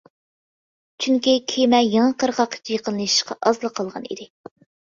چۈنكى كېمە يېڭى قىرغاققا يېقىنلىشىشقا ئازلا قالغان ئىدى.